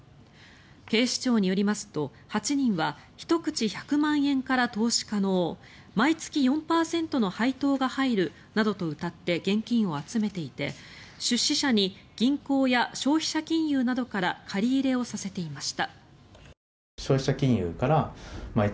警視庁によりますと、８人は１口１００万円から投資可能毎月４％の配当が入るなどとうたって現金を集めていて、出資者に銀行や消費者金融などから借り入れをさせていました。